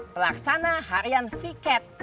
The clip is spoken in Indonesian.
pelaksana harian fiket